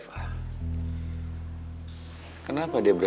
boleh kok n decomposition ke siapa buat di new world